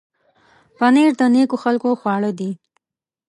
پنېر د نېکو خلکو خواړه دي.